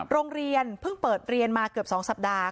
โรงเรียนเพิ่งเปิดเรียนมาเกือบ๒สัปดาห์